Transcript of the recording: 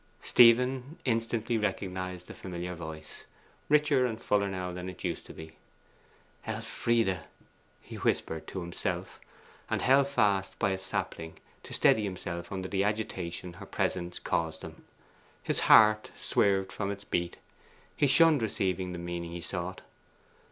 Stephen instantly recognised the familiar voice, richer and fuller now than it used to be. 'Elfride!' he whispered to himself, and held fast by a sapling, to steady himself under the agitation her presence caused him. His heart swerved from its beat; he shunned receiving the meaning he sought.